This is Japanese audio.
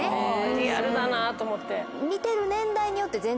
リアルだなと思って。